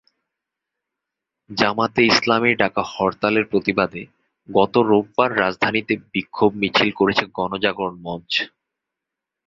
জামায়াতে ইসলামীর ডাকা হরতালের প্রতিবাদে গতকাল রোববার রাজধানীতে বিক্ষোভ মিছিল করেছে গণজাগরণ মঞ্চ।